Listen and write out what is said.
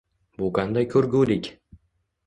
Bu qanday ko`rgulik